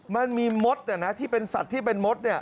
มันมีมดที่เป็นสัตว์ที่เป็นมด